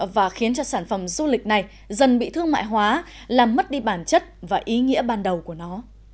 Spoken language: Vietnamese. và khiến cho sản phẩm du lịch này dần bị thương mại hóa làm mất đi bản chất và ý nghĩa ban đầu của nó